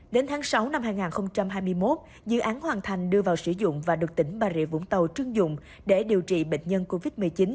đến tháng sáu năm hai nghìn hai mươi một dự án hoàn thành đưa vào sử dụng và được tỉnh bà rịa vũng tàu trưng dụng để điều trị bệnh nhân covid một mươi chín